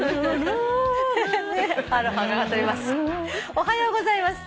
「おはようございます。